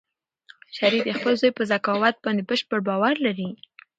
شریف د خپل زوی په ذکاوت باندې بشپړ باور لري.